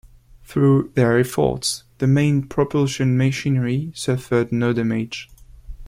Through their efforts the main propulsion machinery suffered no damage.